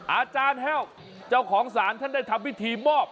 อาจารย์แห้วเจ้าของสารท่านได้ทำพิธีมอบ